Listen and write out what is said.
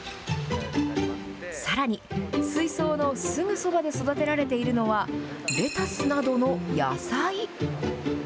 さらに、水槽のすぐそばで育てられているのは、レタスなどの野菜。